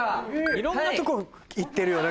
いろんなとこ行ってるよね